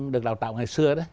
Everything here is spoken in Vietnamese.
được đào tạo ngày xưa đấy